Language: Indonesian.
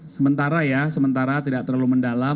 sementara ya sementara tidak terlalu mendalam